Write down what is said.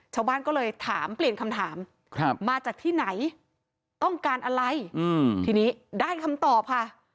ชาวบ้านก็เลยถามเปลี่ยนคำถามมาจากที่ไหนต้องการอะไรทีนี้ได้คำตอบค่ะ